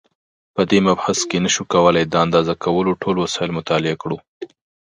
په دې مبحث کې نشو کولای د اندازه کولو ټول وسایل مطالعه کړو.